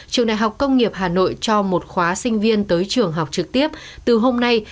trường đại học công nghiệp hà nội cho một khóa sinh viên tới trường học trực tiếp từ hôm nay